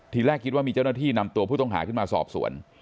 ทีแรกคิดว่ามีเจ้าหน้าที่นำตัวผู้ต้องหาขึ้นมาสอบสวน